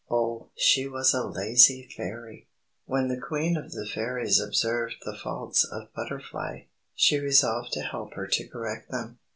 Oh, she was a lazy Fairy! When the Queen of the Fairies observed the faults of Butterfly, she resolved to help her to correct them.